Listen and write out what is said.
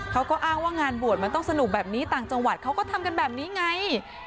เขาก็อ้างว่างานบวชมันต้องสนุกแบบนี้ต่างจังหวัดเขาก็ทำกันแบบนี้ไง